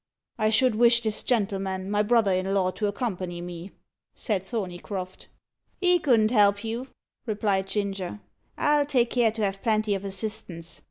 "I should wish this gentleman, my brother in law, to accompany me," said Thorneycroft. "He couldn't help you," replied Ginger. "I'll take care to have plenty of assistance.